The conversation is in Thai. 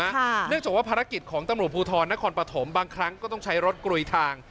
เนื่องจากว่าภารกิจของตำรวจภูทรนครปฐมบางครั้งก็ต้องใช้รถกลุยทาง